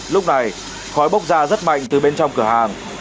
lúc này khói bốc ra rất mạnh từ bên trong cửa hàng